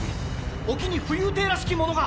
沖に浮遊艇らしきものが。